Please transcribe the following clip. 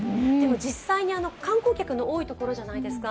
実際に観光客の多いところじゃないですか。